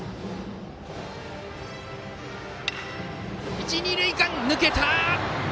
一、二塁間を抜けた。